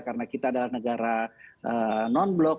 karena kita adalah negara non blok